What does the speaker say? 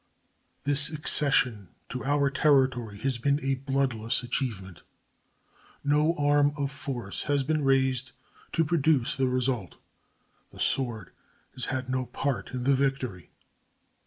This accession to our territory has been a bloodless achievement. No arm of force has been raised to produce the result. The sword has had no part in the victory.